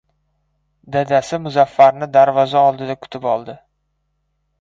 Dadasi Muzaffarni darvoza oldida kutib oldi.